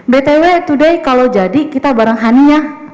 btw today kalau jadi kita bareng honey ya